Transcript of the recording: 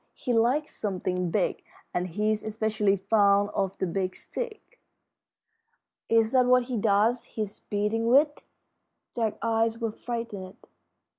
He likes something big, and he's especially fond of the Big Stick." "Is that what he does his beating with?" Jack's eyes were frightened.